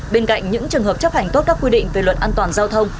bên cạnh những trường hợp chấp hành tốt các quy định về luật an toàn giao thông